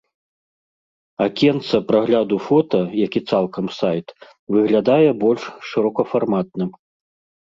Акенца прагляду фота, як і цалкам сайт, выглядае больш шырокафарматным.